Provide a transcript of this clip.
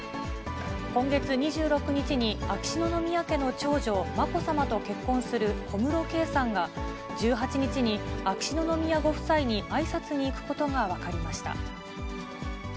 今月２６日に秋篠宮家の長女、まこさまと結婚する小室圭さんが、１８日に秋篠宮ご夫妻にあいさつに行くことが分かりました。